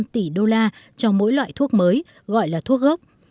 một năm tỷ đô la cho mỗi loại thuốc mới gọi là thuốc ốc